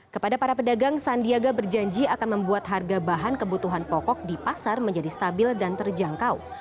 kepada para pedagang sandiaga berjanji akan membuat harga bahan kebutuhan pokok di pasar menjadi stabil dan terjangkau